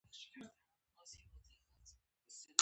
غوره ده چې مالي الیګارشي داسې تعریف کړو